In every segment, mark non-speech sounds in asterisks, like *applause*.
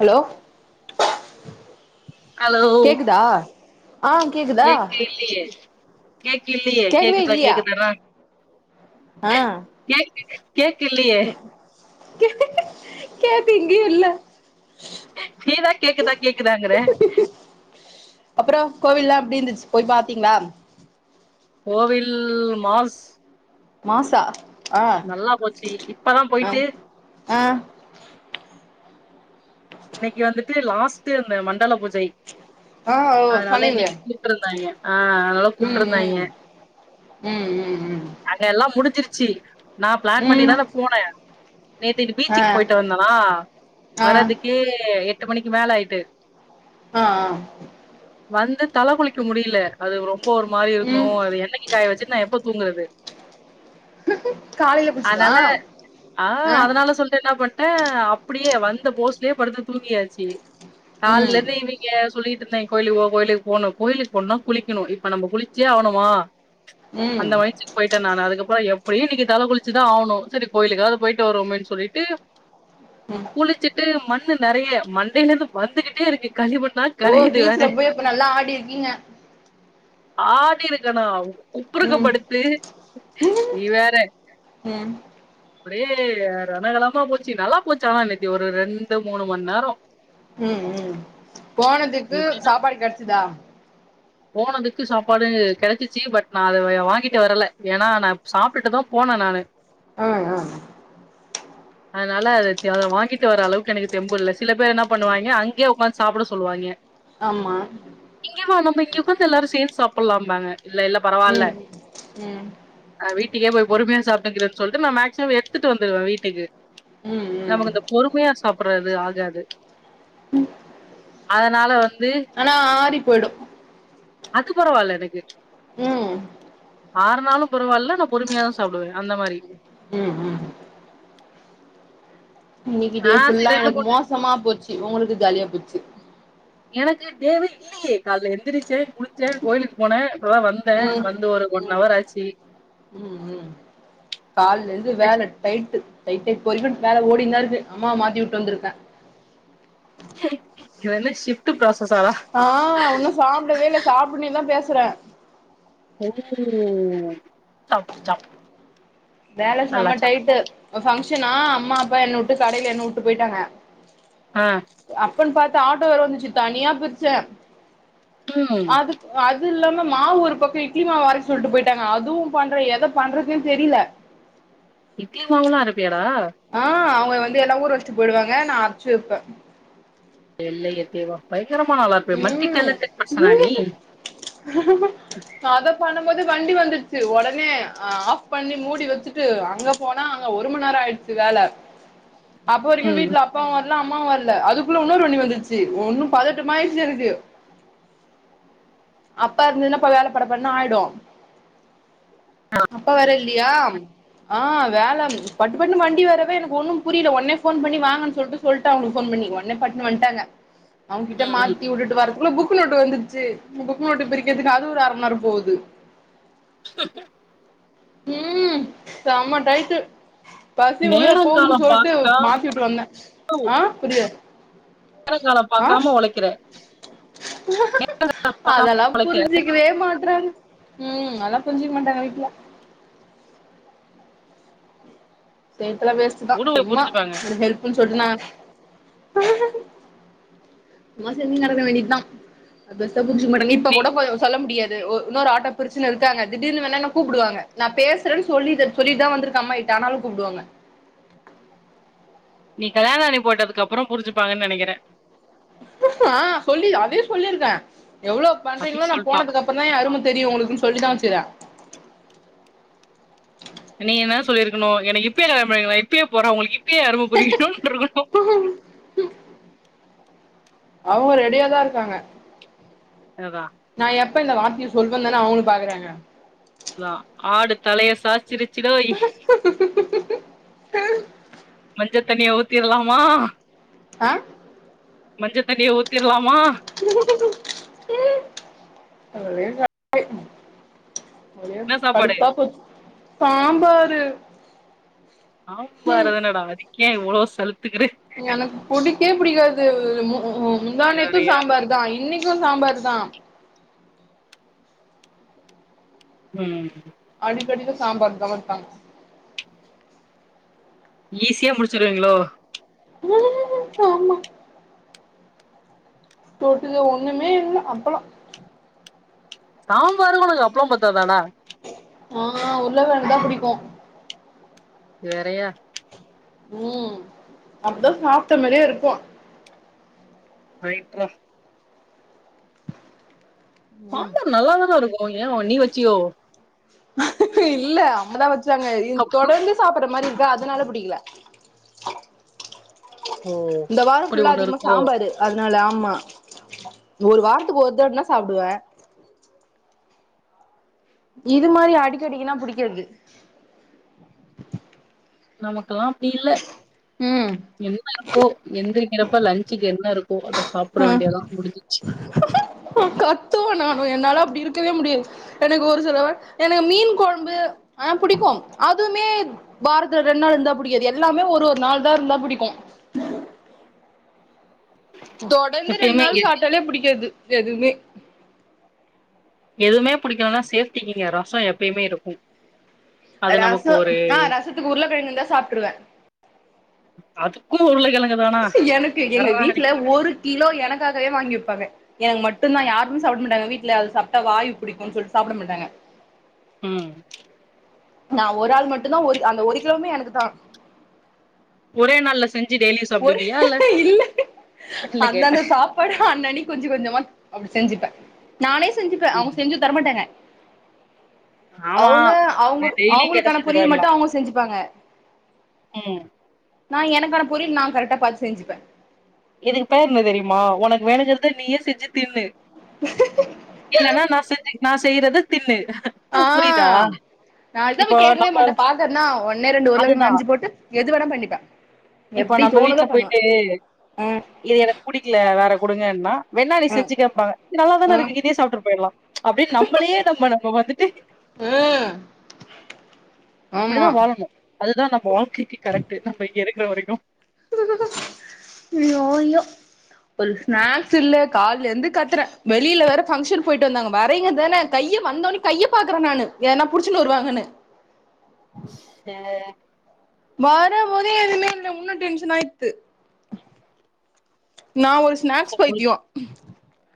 hello hello கேக்குதா ஆ கேக்குதா கேக் இல்லயே கேக் இல்லயே கேக்கவே கேக்குதா இல்லியா கேக்குதானா ஆ கேக் கேக்கு இல்லையே கேக் இங்கயு இல்ல நீதா கேக்குதா கேக்குதாங்கற அப்புறோ கோவில் எல்லா அப்டி இருந்துச்சு போய் பாத்தீங்களா கோவில் மாஸ் மாசா ஆ நல்லா போச்சு இப்பதா ஆ போயிட்டு ஆ இன்னைக்கு வந்துட்டு லாஸ்ட் இந்த மண்டல பூஜை ஆ ஓ அதனால சொன்னீங்களே இன்னைக்கு கூப்ட்ருந்தாய்ங்க ஆ அதனால ம் கூப்பிட்ருந்தாய்ங்க ம் ம் ம் அங்க எல்லா முடிச்சிருச்சு நா பிளான் ம் ம் பண்ணிதான போன நேத்துக்கு ஆ பீச்சுக்கு போயிட்டு வந்தனா ஆ வர்றதுக் ஆ யே எட்டு மணிக்கு மேல ஆயிட்டு ஆ ஆ வந்து தல குளிக்க முடில அது ரொம்ப ஒரு மாரி இருக்கு ம் அது என்னைக்கு காய வச்சுட் நா எப்ப தூங்கற்து காலைல குளிச்சிங்களா அதனால ஆ அதனால சொல்டு என்ன ப ஆ அப்டியே வந்த போஸ்லயே படுத்து தூங்கியாச்சு ம் நாள்ளருந்து இனி இங்க சொல்லிட்ருந்தாய்ங் கோயிலுக்கு போ கோயிலுக்கு போனு கோயிலுக்கு போனுனா குளிக்கணு இப்ப நம்ம குளிச்சே ஆவணுமா ம் அந்த *unintelligible* போயி க நானு அதுக்கப்புற எப்டியு இன்னிக்கு தல குளிச்சுதா ஆவனு சரி கோயிலுக்காவது போயிட்டு வருவோமேன்னு சொல்லிட்டு ம் குளிச்சிட்டு மண்ணு நெறைய மண்டயிலர்ந்து வந்துகிட்டே இருக்கு கலிமண் ஓ பீச்சுல போயி அப்ப நல்லா ஆடி இருக்கீங்க ஆடி இருக்கனா ம் உப்புருக்கப்படுத்து ம் நீ வேற ம் ஒரே ரணகலமா போச்சு நல்லா போச்சு ஆனா நேத்தி ஒரு ரெண்டு மூணு மணா நேரோ ம் ம் போனத்துக்கு சாப்பாடு கெடச்சுதா போனதுக்கு சாப்பாடு கெடச்சிச்சி பட் நா அத வாங்கிட்டு வரல ஏன்னா நா சாப்டுட்டுதாப் போன நானு *unintelligible* அதனால அத வாங்கிட்டு வர அளவுக்கு எனக்கு தெம்பு இல்ல சில பேர் என்ன பண்ணுவாய்ங்க அங்கியே ஒக்காந்து சாப்புட சொல்லுவாய்ங்க ஆமா இங்கம்மா நம்ப இங்க ஒக்காந்து எல்லாரு சேந்து சாப்புட்லாம்பாய்ங்க இல்ல இல்ல பரவால்ல ம் ம் நா வீட்டுக்கே போயி பொறுமையா சாப்பிட்டுகேக்குறேன்னு சொல்லிட்டு நா மேக்சிமம் எடுத்துட்டு வந்துடுவே வீட்டுக்கு ம் ம் நமக்கு இந்த பொறுமையா சாப்புட்றது ஆகாது அதனால வந்து ஆனா ஆறி போயிடோ அது பரவால்ல எனக்கு ம் ஆறுநாளு பரவால்ல நா பொறுமையா தா சாப்புடுவே அந்த மாரி ம் ம் இன்னிக்கி டே ஆ ஃபுல்லா சரி ரெண்டு எனக்கு மோசமா போச்சு உங்குளுக்கு ஜாலியா போச்சு எனக்கு டே வே இல்லியே கால்ல எந்திரிச்சே குளிச்சே கோயிலுக்கு போனே இப்பதா வந்தே ம் வந்து ஒரு ம் ஒன்னவர் ஆச்சு ம் ம் கால்லருந்து வேல டைட்டு *unintelligible* வேல ஓடிந்தா இருக்கு அம்மாவ மாத்தி விட்டு வந்திருக்கே ஏ இது வந்து ஷிஃப்ட் ப்ராசசாடா ஆ உன்னோ சாப்டவே இல்ல சாப்ட்டுனேதா பேசுற வெறும் சாப்புடு சாப்புடு வேல செம டைட்டு ஒரு பங்க்ஷனா அம்மா அப்பா என்ன உட்டு கடையில என்ன உட்டு போயிட்டாங்க ஆ அப்பன்னு பாத்து ஆட்டோ வேர வந்துச்சு தனியா பிரிச்சே ம் அதுக்கு அது இல்லாம மாவு ஒரு பக்கோ இட்லி மாவு அரைக்க சொல்லிட்டு போயிட்டாங்க அதுவு பண்ற எத பண்றதுன்னு தெரியுல இட்லி மாவுலா அரப்பியாடா ஆ அவுங்க வந்து எல்லா ஊர வெச்சிட்டு போயிடுவாங்க நா அரச்சு வெப்பே வெள்ளைய தேவா பயங்கரமான ஆளா இருப்பியா மல்டி ம் டேலெண்ட்டட் பர்சனா நீ அத பண்ணும்போது வண்டி வந்துட்சு ஒடனே ஆஃப் பண்ணி மூடி வெச்சுட்டு அங்க போனா அங்க ஒரு மணி நேரோ ஆயிடுச்சு வேல அப்ப வரிக்கோ ம் வீட்ல அப்பாவு வர்ல அம்மாவு வர்ல அதுக்குள்ள உன்னோரு வண்டி வந்துருச்சு ஒன்னு பதட்டமாயிடு்ச்சி எனக்கு அப்பா இருந்ததுன்னா அப்ப வேல பட படன்னு ஆயிடோ அப்பா வேர இல்லியா ஆ வேலை பட்டு பட்டு வண்டி வரவே எனக்கு ஒண்ணு புரியுல ஒன்னே ஃபோன் பண்ணி வாங்கன்னு சொல்ட்டு சொல்ட்ட அவுங்குளுக்கு ஃபோன் பண்ணி ஒட்னே பட்னு வன்ட்டாங்க *unintelligible* இத மாத்தி வுட்டுட்டு வரதுகுள்ள புக்கு நோட்டு் வந்துச்சு புக்கு நோட்டு் பிரிக்கிறதுக்கு அது ஒரு அர மண்நேரோ போது *inaudible* ம் செம்ம டைட்டு பசி உயிர நேரோ காலோ போகுதுன்னு பாக் சொல்ட்டு கால மாத்தி வுட்டு வந்தே ஆ புரில நேரோ காலோ பாக்காம ஒழைக்கிறே அதெல்லா ஒழைக்கிற புரிஞ்சுக்க வே மாற்றங்க ம் அதெல்லா புரிஞ்சுக்க மாட்டாங்க வீட்ல சேத்துல வேஸ்ட்தா உடுவே சும்மா புரிஞ்சுப்பாங்க ஹெல்ப்ன்னு சொல் நா சும்மா செஞ்சினு கடக்க வேண்டியதா அ பெர்சா புரிஞ்சிக்க மாட்டாங்க இப்ப நீ கூட சொல்ல முடியாது இன்னொரு ஆட்ட பிரிச்சினு இருக்காங்க திடீர்னு வேணா என்ன கூப்டுவாங்க நா பேசுறேன் சொல்லி சொல்லிட்டு தா வந்திருக்க அம்மா ஆனாலு கூப்டுவாங்க நீ கல்யாணி போட்டதுக்கு அப்புறோ புரிஞ்சுப்பாங்கன்ன நெனைக்கிற ஆ சொல்லி அதே சொல்லியிருக்க எவ்ளோ பண்றீங்களோ அதையு நா சொல்ட்டா போனதுக்கு அப் அப்பதா எ அரும தெரியு உங்களுக்குனு சொல்லிதா வச்சிர நீங்க என்ன சொல்லிருக்கணு எனக்கு இப்பயே கல்யாண பண்ணி வை இப்பயே போற உங்களுக்கு இப்பயே எ அரும புரியனுன்ருக்கணு அவங்க ரெடியாதா இருக்காங்க அதா நா எப்ப இந்த வார்த்தைய சொல்வ தான அவங்களு பாக்குறாங்க லா ஆடு தலைய சாச்சிருச் சிடோய் மஞ்ச தண்ணிய ஊத்திர்லாமா ஆ மஞ்ச தண்ணிய ஊத்திர்லாமா ஒரே ஒரே என்ன சாப்பாடு கடுப்பா போச்சு சாம்பாரு ம் சாம்பாரு தானடா அதுக்கே இவ்ளோ சலுத்துக்குற எனக்கு புடிக்கே புடிக்காது முந்தாநேத்து வேறயா சாம்பார் தா இன்னைக்கு சாம்பார் தா ம் அடிக்கடிக்கு சாம்பார் தா வப்பாங்க ஈஸியா முடிச்சிருவிங்களோ ஆமா தொட்டுக ஒண்ணுமே இல்ல அப்பளோ சாம்பாருக்கு உனக்கு அப்பளோ பத்தாதாடா ஆ உருளகெழங்கு தா புடிக்கு வேறையா ம் அப்பதா சாப்ட்ட மாரியே இருக்கு ரைட்ரா சாம்பார் நல்லாத தான இருக்கு ஏ நீ வச்சியோ இல்ல அம்மாதா வச்சாங்க தொடர்ந்து சாப்பட்ற மாரி இருக்கா அதனால புடிக்கல ஓ இந்த வார அப்படி ஃபுல்லா ஒண்ணு அதிகமா இருக்கோ சாம்பாரு அதனால ஆமா ஒரு வாரத்துக்கு ஒரு தட்னா சாப்டுவ இது மாரி அடிக்க அடிக்கனா புடிக்காது நமக்கெல்லா அப்டி இல்ல ம் என்ன இருக்கோ எந்திரிக்கிறப்ப லன்ஞ்சுக்கு என்ன இருக் இப்போ அத சாப்ட வேண்டியதா முடிஞ் ந கத்துவ நானு என்னால அப்டி இருக்கவே முடியாது எனக்கு ஒரு சில எனக்கு மீன் கொழம்பு அ புடிக்கோ அதுமே வாரத்துல ரெண்டு நாள் இருந்தா புடிக்காது எல்லாமே ஒரு ஒரு நாள் இருந்தா புடிக்கோ தொடர்ந்து ரெண்டு எப்பயுமே நாள் இங்க சாப்ட்டாலே புடிக்காது எதுமே எதுமே புடிக்கலனா சேஃப்ட்டிக்கி இங்க ரசோ எப்பயுமே இருக்கோ ரசோ அ ரசத்துக்கு உருளக்கெழங்கு இருந்தா சாப்ட்ருவ அதுக்கு உருளக்கெழ எனக்கு எங்க வீட்ல ஒரு கிலோ எனக்காகவே வாங்கி வெப்பாங்க எனக்கு மட்டுந்தா யாருமே சாப்ட மாட்டாங்க வீட்ல அது சாப்ட்டா வாயு புடிக்குன் சொல்ட்டு சாப்ட மாட்டாங்க ம் நா ஒரு ஆள் மட்டுந்தா ஒரு அந்த ஒரு கிலோவுமே எனக்கு தா ஒரே நாள்ல செஞ் ஒரே இல்ல இல்ல கேட்டே அந்தந்த சாப் படு அன் அன்னக்கி கொஞ்ச கொஞ்சமா அப்டி செஞ்சுப்ப நானே செஞ்சுப்ப அவுங்க செஞ்சு தரமாட்டாங்க ஆமா அவுங்க அவுங்க டெய்லியு கேட்டா அவுங்குளுக்கான பொரிய செஞ்சுருவாய்ங்களா மட்டு அவுங்க செஞ்சுப்பாங்க ம் நா எனக்கான பொரியல் நா கரெக்டா பாத்து செஞ்சுப்ப இதுக்கு பேர் ன்ன தெரிய்மா ஒனக்கு வேணுங்கற்த நீயே செஞ்சு தின்னு இல்லனா நா செஞ்சு நா செய்யிறத தின்னு ஆ புரியுதா நா அதுக் தா இப்போ பேய் கேக்கவே நம்ம மாட்ட பாக்கற்னா ஒன்னே ரெண்டு உர்ளக்கழங்க அதுதா அர்ஞ்சு போட்டு எது வேணாப் பண்ணிப்ப இப்போ எப்டி நம்ம தோணுதோ வீட்ல பண்ணுவ போயிட்டு அ இது எனக் புடிக்கில வேற குடுங்கன்னா வெண்ணா நீ ம் செஞ்சுக்கம்பாங்க இது ம் நல்லாதானருக்கு இதே சாப்ட்ரு போயிற்லா அப்டின் நம்மளயே நம்ம நம்ம வந்துட்டு உ ஆமா அப்டிதா வாழணு அதுதா நம்ப வாழ்க்கைக்கு கரெக்ட்டு நம்ப இங்க இருக்குற வரைக்கு ஐயோ ஐயோ ஒரு ஸ்நேக்ஸ் இல்ல கால்லேர்ந்து கத்துற வெளில வேற ஃபங்க்ஷன்க் போயிட்டு வந்தாங்க வரைங்கதன கைய வந்த ஒனே கைய பாக்குற நானு எதனா புடிச்சுன்னு வருவாங்கன்னு எ அ அ வரம்போதே எதுமே இல்ல உன்னு டென்ஷன் ஆயித்து நா ஒரு ஸ்நேக்ஸ் பைத்தியோ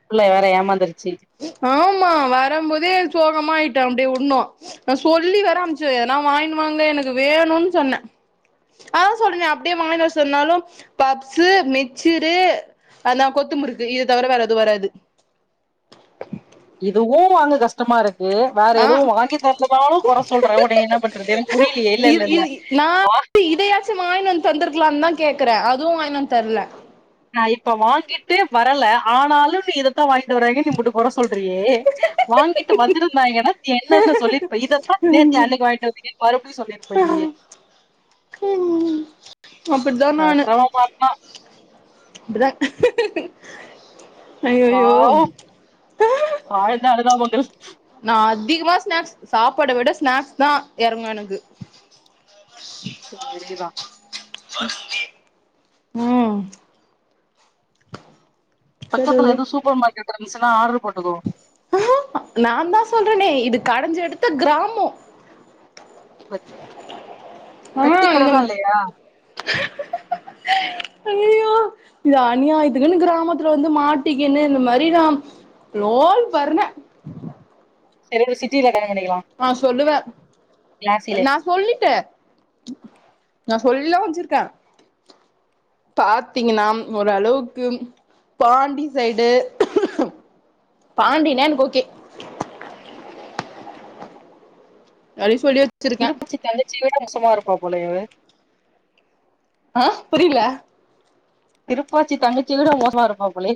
புள்ளை வேற ஏமாந்துருச்சி ஆமா வரம்போதே சோகமாயிட்ட அப்டே உன்னு நா சொல்லி வேற அம்ச்ச எதனா வாய்ன்னு வாங்க எனக்கு வேனுன்னு சொன்ன அதா சொல்றனே அப்டே வாய்ன் வர சொன்னாலு பப்ஸு மிச்சுரு அது நா கொத்து முறுக்கு இத தவர வேற எது வராது இதுவு வாங்க கஸ்ட்டமா இருக் வேற எதுவு ஆ வாங்கி தர்லனாலு கொற சொல்ற ஒன்னய என்ன பண்றது எனக்கு புரிய்லியே இல்லல்லல்ல நா இதயாச் ச்சு வாய்ன் வந்து தந்துருக்குலான் தா கேக்குற அதுவு வாய்ன் வந் தர்ல நா இப்ப வாங்கிட்டு வரல ஆனாலு நீ இதத்தா வாய் ட்டு வராங்கன்னு நீ இம்புட்டு கொற சொல்றியே வாங்கிட்டு வந்துருந்தாய்ங்கனா நீ என்னன்ன சொல்லிருப்ப இதத்தா நேத்து அன்னக்கு வாய்ட்டடு வந்திங்கன் மறுப்டி சொல்லிருப்ப நீயி அப்டிதா நானு *unintelligible* மாட் மா அப்டிதா ஆ ஐயையோ வ் ஆழ்ந்த அனுதாபங்கள் நா அதிகுமா ஸ்நேக்ஸ் சாப்பாட விட ஸ்நேக்ஸ்தா எறங்கு எனக்கு *inaudible* சரி வெலிய வா ம் பக்கத்தில கடவுளே எதுவு சூப்பர் மார்கெட் இருந்துச்சின்னா ஆர்ரு போட்டுக்கோ நா தா சொல்றனே இது கடஞ்சி எடுத்த கிராமம் *inaudible* கடதா இல்லையா *unintelligible* அய்யய்யோ இது அனியாதுக்குன்னு கிராமத்துல வந்து மாட்டிக்குன்னு இந்த மாதிரி நா லோன் வரல சரி ஒரு சிட்டில வேண கல்யாண பண்ணிக்கலா ஆ சொல்லுவ கிளாசிலே நா சொல்லிட்ட நா சொல்லாம வச்சிருக்கே பாத்தீங்கன்னா ஓரளவுக்கு பாண்டி சைடு பாண்டினா எனக்கு ஓகே அயிஸ் வர்யா திருப்பச்சி தங்கச்சி விட மோசமா இருப்பா போல இவ ஆ புரியல திருப்பாச்சி தங்கச்சட மோசமா இருப்பா போலே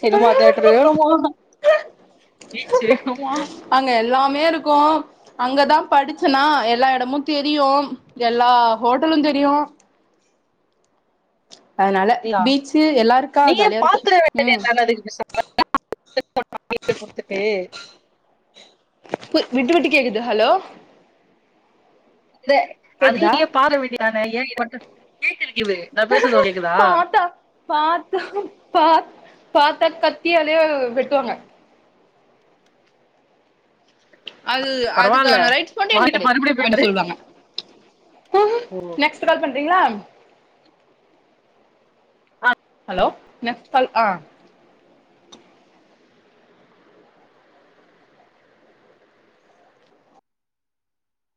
சிமா தேட்ரு வேணுமா பிச்சு வெனுமா அங்க எல்லாமே இருக்கோ அங்கதா படிச்சனா எல்லா எடமு தெரியு எல்லா ஹோட்டலு தெரியு அதனால சரியா பீச்சு எல்லா இருக்கா நீங்க ஜாலியா இருக்கு பாக்குற ம் வேனதுக்கு *unintelligible* *inaudible* குடுத்துட்டு பு விட்டு விட்டு கேக்குது ஹலோ இத அதையு கேக்குதா நீயே பாட வேண்டியதான ஏ மட்டு கேக்குருக்கலா நா பேசுறது கேக்குதா பாத்தா பாத்தா பா பாத்தா கத்தியாலே வெட்டுவாங்க அது பரவால்ல அதுக்கான ரைட்ஸ் மட்டு எனக் வாங்கிட்டு கடை மறுபடியு போய் அப்டின்னு பாரு சொல்லுவாங்க நெக்ஸ்ட் கால் பண்றீங்களா ஓ அலோ நெக்ஸ்ட் கால் ஆ